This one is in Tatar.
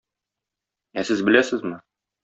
Ә сез беләсезме?